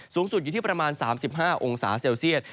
สูงสุดอยู่ที่ประมาณ๓๕องศาเซลเซียต